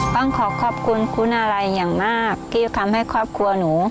ต้องขอขอบคุณคุณอะไรอย่างมากที่ทำให้ครอบครัวหนู